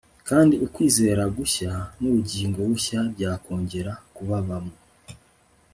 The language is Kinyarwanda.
kandi ukwizera gushya nubugingo bushya byakongera kubabamo